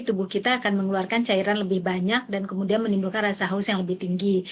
tubuh kita akan mengeluarkan cairan lebih banyak dan kemudian menimbulkan rasa haus yang lebih tinggi